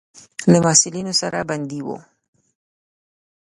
له محصلینو سره بندي وو.